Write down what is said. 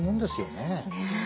ねえ。